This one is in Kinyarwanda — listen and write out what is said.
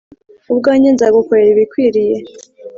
ubwanjye nzagukorera ibikwiriye